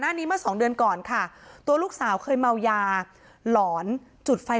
นี้เมื่อสองเดือนก่อนค่ะตัวลูกสาวเคยเมายาหลอนจุดไฟ